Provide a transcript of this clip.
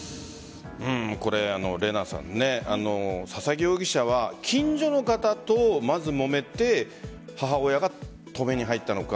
これ、佐々木容疑者は近所の方とまずもめて母親が止めに入ったのか。